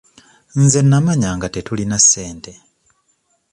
Nze nnamanya nga tetulina ssente.